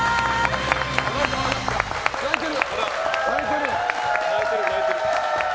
泣いてる。